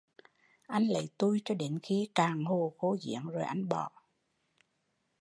Anh lấy tui cho đến khi “cạn hồ khô giếng”, rồi anh bỏ